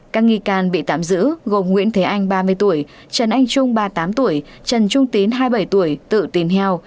các nghi can bị tạm giữ gồm nguyễn thế anh ba mươi tuổi trần anh trung ba mươi tám tuổi trần trung tín hai mươi bảy tuổi tự tìm heo